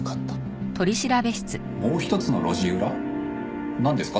もう一つの路地裏？なんですか？